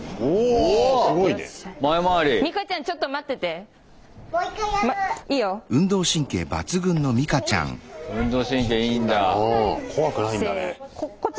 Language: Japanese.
おお怖くないんだね。